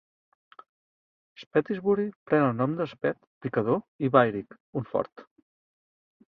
Spetisbury pren el seu nom de speht - picador i byrig - un fort.